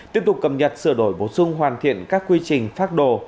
tiếp tục cập nhật sửa đổi bổ sung hoàn thiện các quy trình phác đồ